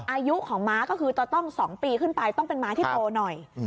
อายุของม้าก็คือจะต้อง๒ปีขึ้นไปต้องเป็นม้าที่โตหน่อย